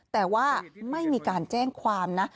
แต่ว่าไม่มีการแจ้งความนะ